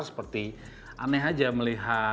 seperti aneh aja melihat